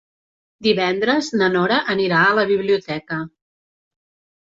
Divendres na Nora anirà a la biblioteca.